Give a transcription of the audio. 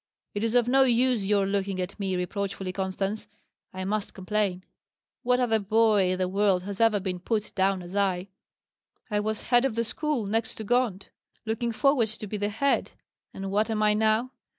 It is of no use your looking at me reproachfully, Constance; I must complain. What other boy in the world has ever been put down as I? I was head of the school, next to Gaunt; looking forward to be the head; and what am I now?